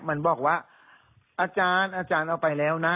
มันบอกว่าอาจารย์อาจารย์เอาไปแล้วนะ